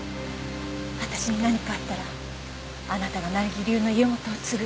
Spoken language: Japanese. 私に何かあったらあなたが名木流の家元を継ぐ。